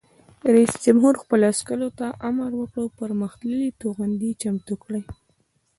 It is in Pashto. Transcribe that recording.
رئیس جمهور خپلو عسکرو ته امر وکړ؛ پرمختللي توغندي چمتو کړئ!